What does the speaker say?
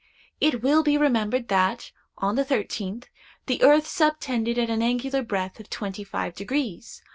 It will be remembered that, on the thirteenth, the earth subtended an angular breadth of twenty five degrees.